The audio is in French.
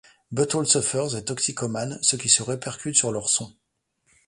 Butthole Surfers est toxicomane, ce qui se répercute sur leur son.